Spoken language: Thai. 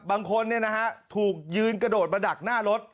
บางคนเนี่ยนะฮะถูกยืนกระโดดมาดักหน้ารถ